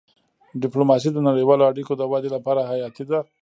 ډيپلوماسي د نړیوالو اړیکو د ودي لپاره حیاتي ده.